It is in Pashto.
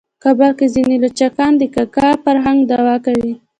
په کابل کې ځینې لچکان د کاکه فرهنګ دعوه کوي.